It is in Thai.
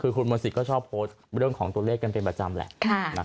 คือคุณมนศิษย์ก็ชอบโพสต์เรื่องของตัวเลขกันเป็นประจำแหละ